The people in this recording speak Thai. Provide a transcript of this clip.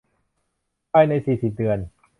ภายใน สี่สิบ เดือน